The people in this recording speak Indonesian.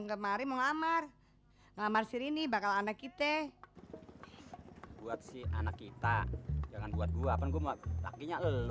nasib nasib gua patah hati juga nih gua jadi kawin sama bang somas gua